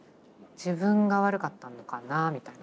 自分が悪かったのかなぁみたいな。